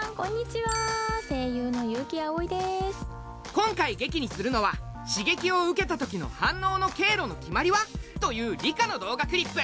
今回劇にするのは「刺激を受けたときの反応の経路の決まりは」という理科の動画クリップ。